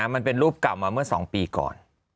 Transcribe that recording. มันเป็นรูปเก่ามาเมื่อ๒ปีก่อน